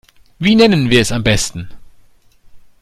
Wie nennen wir es am besten?